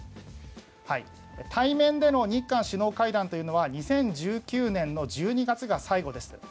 対面での日韓首脳会談というのは２０１９年１２月が最後です。